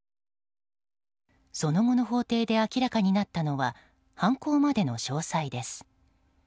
その後の法廷で明らかになったのは犯行までの詳細です。